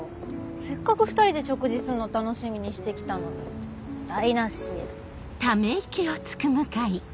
せっかく２人で食事するの楽しみにしてきたのに台無し。